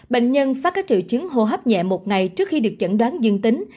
bệnh nhân phát các triệu chứng hô hấp nhẹ một ngày trước khi được chẩn đoán dương tính